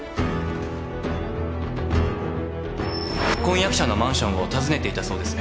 婚約者のマンションを訪ねていたそうですね